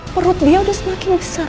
perut dia udah semakin besar